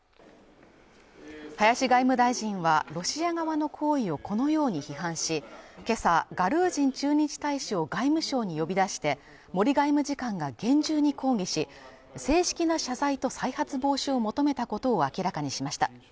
林外務大臣はロシア側の行為をこのように批判しけさガルージン駐日大使を外務省に呼び出して森外務次官が厳重に抗議し正式な謝罪と再発防止を求めたことを明らかにしました